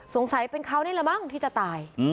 สงสัยเป็นเขานี่แหละมั้งที่จะตาย